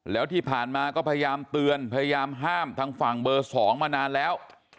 แล้วที่ผ่านมาก็พยายามเตือนพยายามห้ามทางฝั่งเบอร์๒มานานแล้ว